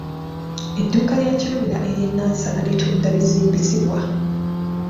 Edduuka lya Kirumira ery’e Nansana litunda bizimbisibwa.